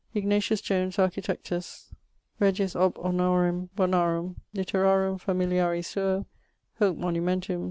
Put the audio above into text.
Ignatius Jones architectus regius ob honorem bonarum literarum familiari suo hoc monumentum D.